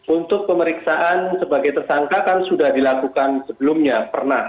untuk pemeriksaan sebagai tersangka kan sudah dilakukan sebelumnya pernah